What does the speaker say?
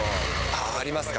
あぁ、ありますか？